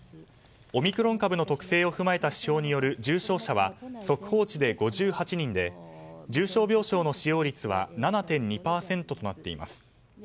オミクロン株の特性を踏まえた指標による重症者は速報値で５８人で重症病床の使用率は７．２％となっています。